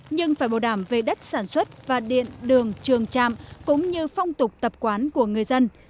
nhưng phải bảo đảm về đất sản xuất và điện đường trường trạm cũng như phong tục tập quán của người dân